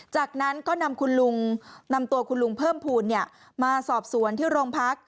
จากนั้นก็นำคุณลุงนำตัวคุณลุงเพิ่มภูมิมาสอบสวนที่โรงพัก